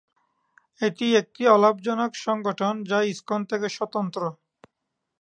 এটি একটি অলাভজনক সংগঠন যা ইসকন থেকে স্বতন্ত্র।